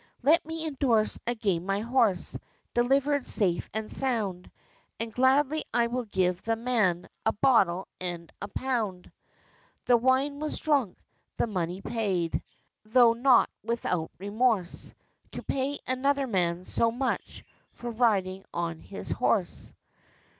"Let me endorse again my horse, Delivered safe and sound; And, gladly, I will give the man A bottle and a pound!" The wine was drunk, the money paid, Tho' not without remorse, To pay another man so much, For riding on his horse.